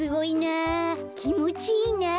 きもちいいなあ。